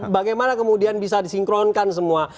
bagaimana kemudian bisa disinkronkan semua